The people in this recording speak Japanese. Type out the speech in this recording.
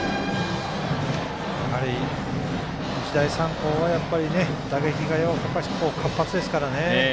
やはり日大三高は打撃が活発ですからね。